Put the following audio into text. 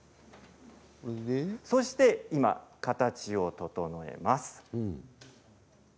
そして今、形を整えます。